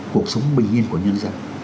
cuộc sống bình yên của nhân dân